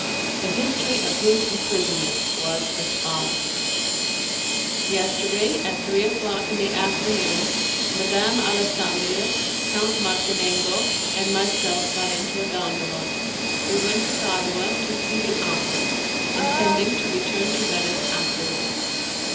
The history of his imprisonment was as follows: "Yesterday, at three o'clock in the afternoon, Madame Alessandria, Count Martinengo, and myself, got into a gondola. We went to Padua to see the opera, intending to return to Venice afterwards.